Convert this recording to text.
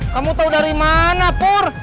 kamu tau dari mana pur